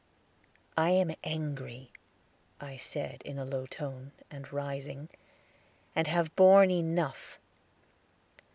"I am angry," I said in a low tone, and rising, "and have borne enough."